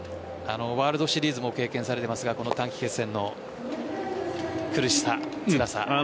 ワールドシリーズも経験されていますがこの短期決戦の苦しさ、つらさ。